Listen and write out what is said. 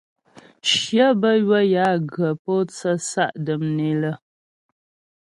Shyə bə́ ywə̌ yə á ghə pǒtsə sa' dəm né lə.